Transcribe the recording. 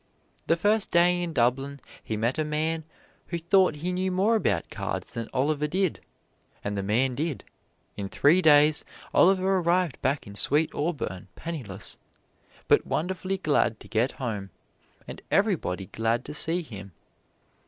The first day in Dublin he met a man who thought he knew more about cards than Oliver did and the man did: in three days Oliver arrived back in Sweet Auburn penniless, but wonderfully glad to get home and everybody glad to see him.